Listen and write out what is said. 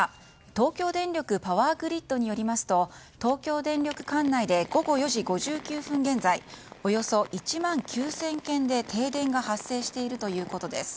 東京電力パワーグリットによりますと東京電力管内で午後４時５９分現在およそ１万９０００軒で停電が発生しているということです。